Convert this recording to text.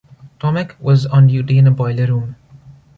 Tomich was on duty in a boiler room.